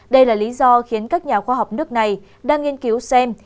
đây là lý do khiến các nhà khoa học nước này đang nghiên cứu xem